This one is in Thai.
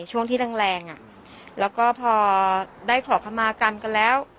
ช่วงที่แรงแรงอ่ะแล้วก็พอได้ขอคำมากันกันแล้ว